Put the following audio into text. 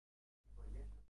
yaproq yozib aytadi